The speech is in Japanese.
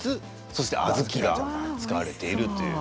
そして小豆が使われているという。